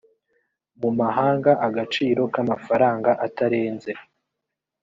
mu mahanga agaciro k amafaranga atarenze